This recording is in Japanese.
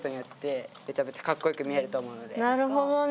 なるほどね。